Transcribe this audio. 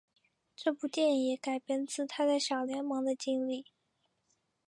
这部电影也改编自他在小联盟的经历。